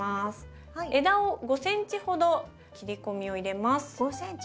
枝を５ｃｍほど切り込みを入れます。